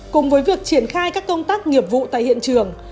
cùng với việc triển khai các công tác nghiệp vụ tại hiện trường